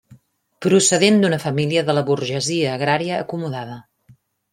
Procedent d'una família de la burgesia agrària acomodada.